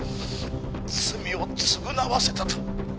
「罪を償わせたと」